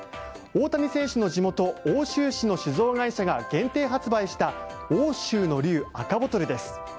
大谷選手の地元・奥州市の酒造会社が限定発売した奥州ノ龍赤ボトルです。